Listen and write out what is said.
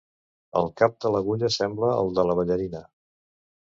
El cap de l'agulla sembla el de la ballarina.